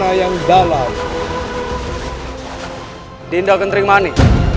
di tanah yang dalam dinda gentring mani